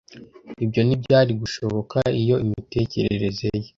Ibyo ntibyari gushoboka iyo imitekerereze ye